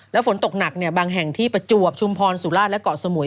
ฝนตกหนักบางแห่งที่ประจวบชุมพรสุราชและเกาะสมุย